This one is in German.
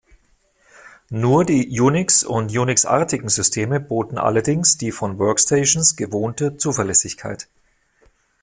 Nur die Unix- und Unix-artigen Systeme boten allerdings die von Workstations gewohnte Zuverlässigkeit.